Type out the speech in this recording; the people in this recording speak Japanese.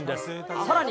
さらに。